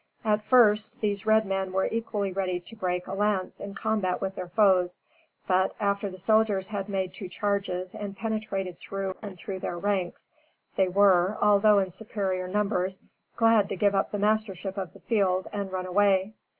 At first, these red men were equally ready to break a lance in combat with their foes; but, after the soldiers had made two charges and penetrated through and through their ranks, they were, although in superior numbers, glad to give up the mastership of the field, and run away.